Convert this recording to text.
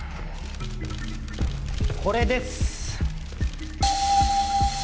これです。